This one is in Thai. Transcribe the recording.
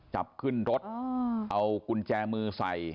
จับขึ้นรถเอากุญแจมือใส่